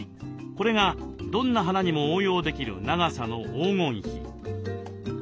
これがどんな花にも応用できる長さの黄金比。